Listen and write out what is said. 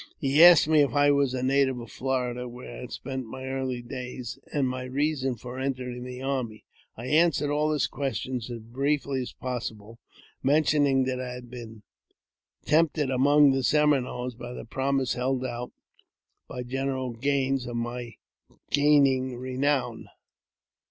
He asked me if I was a native of Florida, where I had spent my early days, and my reason for entering the army. I answered all his questions as briefly as possible, mentioning that I had been tempted among the Seminoles by the promise held out by General Gaines of my gaining " renown."